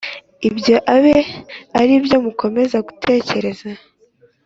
Ibyo abe ari byo mukomeza gutekerezaho